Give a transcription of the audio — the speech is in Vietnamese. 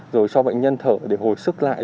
rồi cho bệnh nhân thở để hồi sức lại